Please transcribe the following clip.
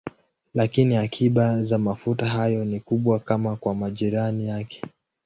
Lakini akiba za mafuta hayo si kubwa kama kwa majirani yake.